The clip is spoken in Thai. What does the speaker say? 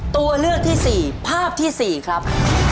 ตัวเลือกที่๔ภาพที่๔ครับ